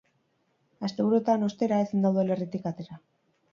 Asteburuetan, ostera, ezin da udalerritik atera.